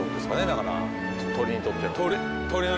だから鳥にとっては鳥の